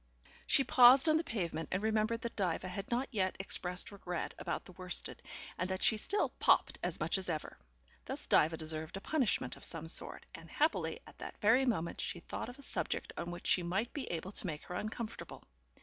... She paused on the pavement, and remembered that Diva had not yet expressed regret about the worsted, and that she still "popped" as much as ever. Thus Diva deserved a punishment of some sort, and happily, at that very moment she thought of a subject on which she might be able to make her uncomfortable.